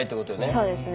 はいそうですね。